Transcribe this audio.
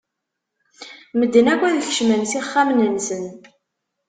Medden akk ad kecmen s ixxamen-nsen.